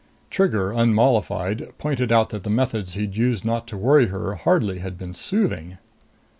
Trigger, unmollified, pointed out that the methods he'd used not to worry her hardly had been soothing.